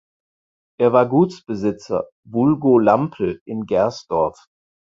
Er war Gutsbesitzer (vulgo Lampl) in Gersdorf.